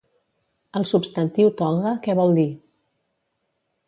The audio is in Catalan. El substantiu toga què vol dir?